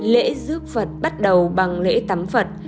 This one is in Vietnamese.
lễ giúp phật bắt đầu bằng lễ tắm phật